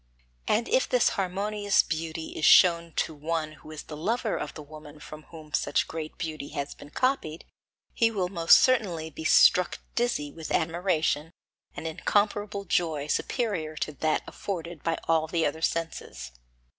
And if this harmonious beauty is shown to one who is the lover of the woman from whom such great beauty has been copied, he will most certainly be struck dizzy with admiration and incomparable joy superior to that afforded by all the other senses.